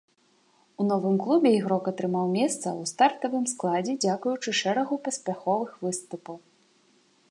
У новым клубе ігрок атрымаў месца ў стартавым складзе дзякуючы шэрагу паспяховых выступаў.